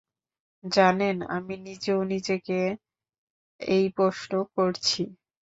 জানেন, আমি নিজেও নিজেকে এই প্রশ্ন করছি।